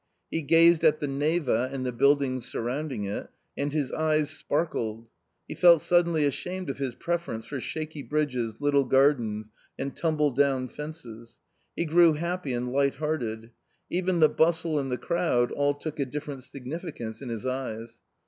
He gazed at the Neva and the buildings surrounding it, and his eyes sparkled. He felt suddenly ashamed of his preference for shaky bridges, little gardens and tumble down fences. He grew happy and lighthearted. Even the bustle and the crowd all took a different significance in his eyes.